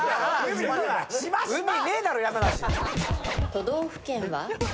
都道府県は？